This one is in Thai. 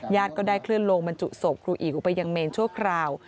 ก็ได้เคลื่อนลงบรรจุศพครูอิ๋วไปยังเมนชั่วคราว